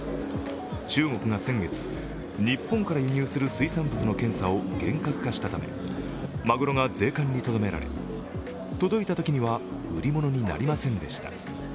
中国が先月、日本から輸入する水産物の検査を厳格化したためまぐろが税関にとどめられ届いたときには売り物になりませんでした。